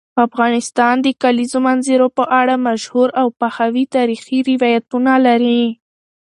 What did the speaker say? افغانستان د کلیزو منظره په اړه مشهور او پخواي تاریخی روایتونه لري.